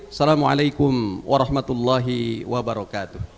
assalamu alaikum warahmatullahi wabarakatuh